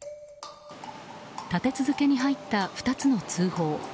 立て続けに入った２つの通報。